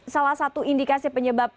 salah satu indikasi penyebab